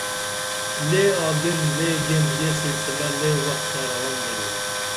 لے آگین لے گین یہ سلسلہ لے وختہ رون درو